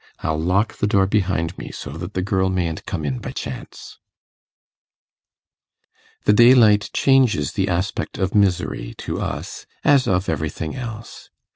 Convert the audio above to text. I'll lock the door behind me, so that the girl mayn't come in by chance.' The daylight changes the aspect of misery to us, as of everything else.